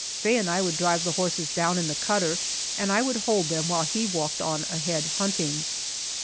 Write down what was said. Faye and I would drive the horses down in the cutter, and I would hold them while he walked on ahead hunting.